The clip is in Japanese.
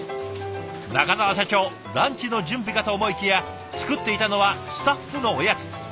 中澤社長ランチの準備かと思いきや作っていたのはスタッフのおやつ。